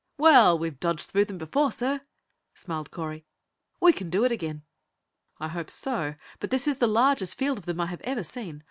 "Well, we've dodged through them before, sir," smiled Correy. "We can do it again." "I hope so, but this is the largest field of them I have ever seen.